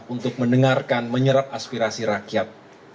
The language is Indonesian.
untuk mendengarkan menyerap aspirasi rakyat